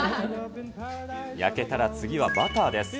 焼けたら次はバターです。